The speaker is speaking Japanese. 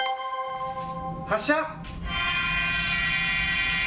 発車。